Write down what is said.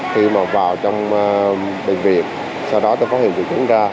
thì mà vào trong bệnh viện sau đó tôi phát hiện triệu chứng ra